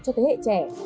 cho thế hệ trẻ